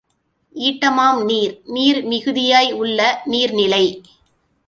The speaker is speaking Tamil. ஈட்டமாம் நீர்—நீர் மிகுதியாயுள்ள நீர்நிலை.